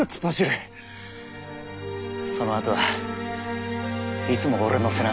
そのあとはいつも俺の背中で。